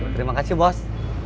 terima kasih bos